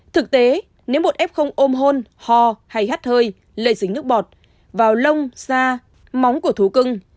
thực tế nếu một f ôm hôn ho hay hát hơi lây dính nước bọt vào lông da móng của thú cưng